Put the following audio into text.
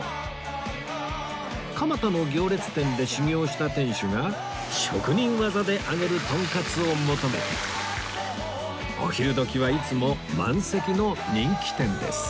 蒲田の行列店で修業をした店主が職人技で揚げるとんかつを求めてお昼時はいつも満席の人気店です